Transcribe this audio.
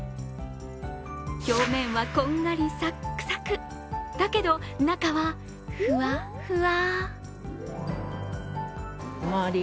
表面はこんがりサックサク、だけど中はふわっふわ。